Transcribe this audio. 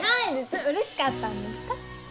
うれしかったんですか？